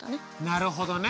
なるほどね。